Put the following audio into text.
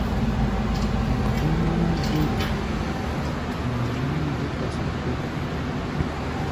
Mɛ dé wá̧á̧-gbére, ɛɛ múm bé kpasa kʼɛ́ɛ́.